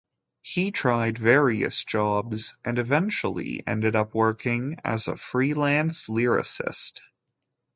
He tried various jobs and eventually ended up working as a freelance lyricist.